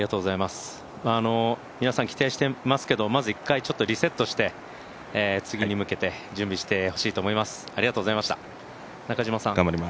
皆さん期待してますけど、まず一回リセットして次に向けて準備してほしいと思います、ありがとうございました。